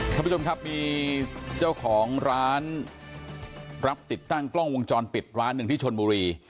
ท่านผู้ชมครับมีเจ้าของร้านรับติดตั้งกล้องวงจรปิดร้านหนึ่งที่ชนบุรี